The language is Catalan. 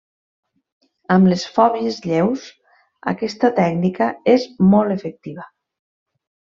Amb les fòbies lleus aquesta tècnica és molt efectiva.